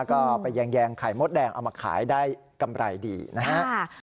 ก็ไปแยงไข่มดแดงเอามาขายได้กำไรดีนะครับ